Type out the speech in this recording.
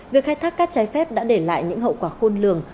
việc khai thác cát trái phép đã để lại những hậu quả khôn lường